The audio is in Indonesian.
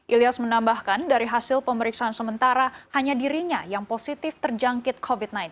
ilyas menambahkan dari hasil pemeriksaan sementara hanya dirinya yang positif terjangkit covid sembilan belas